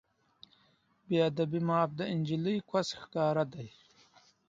د انجلۍ کوس ښکاره دی